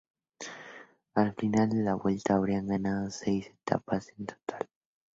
Al final de la Vuelta, habría ganado seis etapas en total.